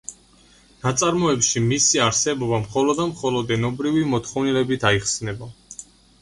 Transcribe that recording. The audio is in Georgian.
ნაწარმოებში მისი არსებობა მხოლოდ და მხოლოდ ენობრივი მოთხოვნილებით აიხსნება.